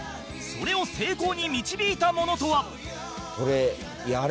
それを成功に導いたものとは？